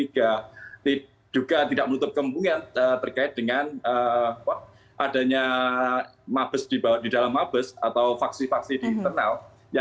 diduga tidak menutup kemungkinan terkait dengan adanya mabes di dalam mabes atau faksi faksi di internal